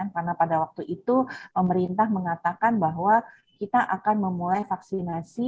karena pada waktu itu pemerintah mengatakan bahwa kita akan memulai vaksinasi